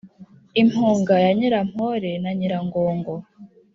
i mpunga ya nyirampore na nyiragongo